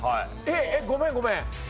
えっごめんごめん。